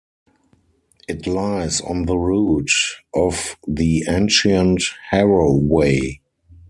It lies on the route of the ancient Harrow Way.